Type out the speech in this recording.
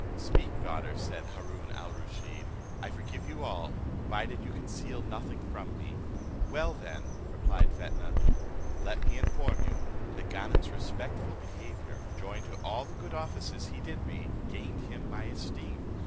"Speak, daughter," said Haroon al Rusheed, "I forgive you all, provided you conceal nothing from me." "Well, then," replied Fetnah, "let me inform you, that Ganem's respectful behaviour, joined to all the good offices he did me, gained him my esteem.